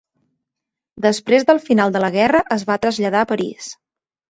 Després del final de la guerra es va traslladar a París.